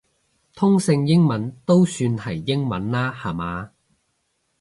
通勝英文都算係英文啦下嘛